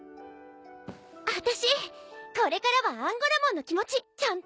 あたしこれからはアンゴラモンの気持ちちゃんと考える！